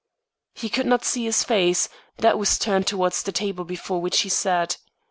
He could not see his face; that was turned towards the table before which he sat.